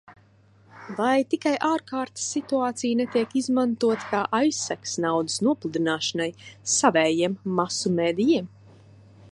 Vai tikai ārkārtas situācija netiek izmantota kā aizsegs naudas nopludināšanai savējiem masu medijiem?